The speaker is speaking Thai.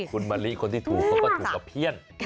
คุณมะลิคนที่ถูกเขาก็ถูกกับเพี้ยน